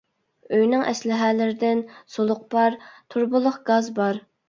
ئۆينىڭ ئەسلىھەلىرىدىن سۇلۇق پار، تۇرۇبىلىق گاز بار.